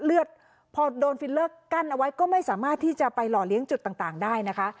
เลือดพอโดนฟิลเลอร์กั้นเอาไว้ก็ไม่สามารถที่จะไปหล่อเลี้ยงจุดต่างได้นะคะ